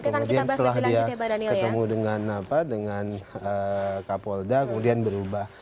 kemudian setelah dia ketemu dengan kapolda kemudian berubah